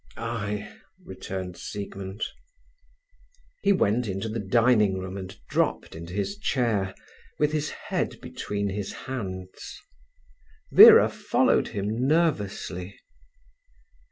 "Ay," returned Siegmund. He went into the dining room and dropped into his chair, with his head between his hands. Vera followed him nervously.